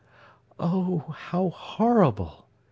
"Oh, how horrible!"